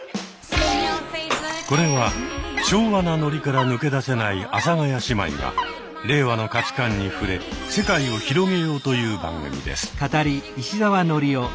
これは昭和なノリから抜け出せない阿佐ヶ谷姉妹が令和の価値観に触れ世界を広げようという番組です。